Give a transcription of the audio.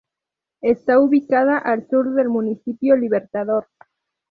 Está ubicada al sur del municipio Libertador.